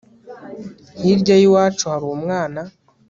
hirya y'iwacu hari umwana